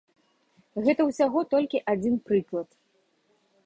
Гэта ўсяго толькі адзін прыклад.